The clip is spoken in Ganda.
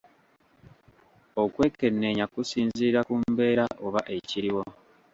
Okwekeneenya kusinziira ku mbeera oba ekiriwo.